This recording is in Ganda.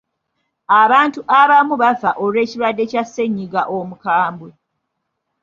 Abantu abamu bafa olw'ekirwadde kya ssennyiga omukambwe.